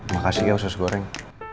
makasih ya sus goreng